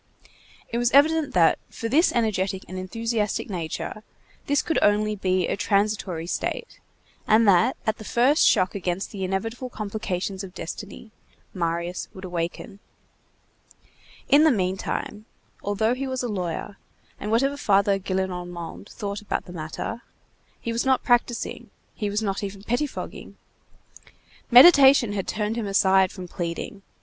It was evident that, for this energetic and enthusiastic nature, this could only be a transitory state, and that, at the first shock against the inevitable complications of destiny, Marius would awaken. In the meantime, although he was a lawyer, and whatever Father Gillenormand thought about the matter, he was not practising, he was not even pettifogging. Meditation had turned him aside from pleading.